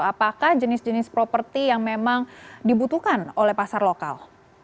apakah jenis jenis properti yang memang dibutuhkan oleh pasar lokal